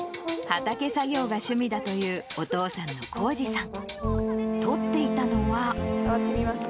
畑作業が趣味だという、お父さんのこうじさん。